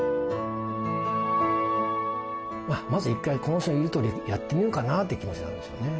まず１回この人の言うとおりやってみようかなって気持ちになるんですよね。